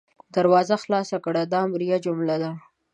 دروازه خلاصه کړه – دا امریه جمله ده.